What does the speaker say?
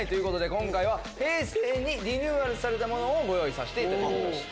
今回は平成にリニューアルされたものをご用意させていただきました。